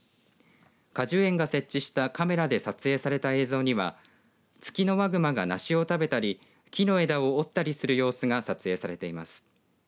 果樹園が設置したカメラで撮影された映像にはツキノワグマが梨を食べたり木の枝を折ったりする様子が撮影されています。